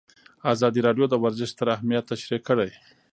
ازادي راډیو د ورزش ستر اهميت تشریح کړی.